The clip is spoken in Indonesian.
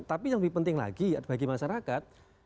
tapi yang lebih penting lagi bagi masyarakat